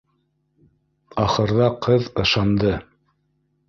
Ахырҙа ҡыҙ ышанды